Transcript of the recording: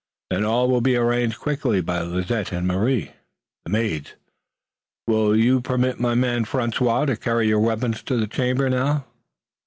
Then all will be arranged quickly by Lizette and Marie, the maids. Will you permit my man, François, to carry your weapons to the chamber now?"